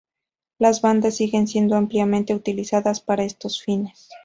Las bandas siguen siendo ampliamente utilizadas para estos fines.